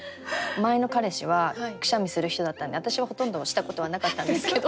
前の彼氏はくしゃみする人だったんで私はほとんどしたことはなかったんですけど。